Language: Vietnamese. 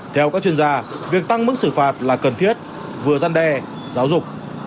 theo các chuyên gia việc tăng mức xử phạt là cần thiết vừa gian đe giáo dục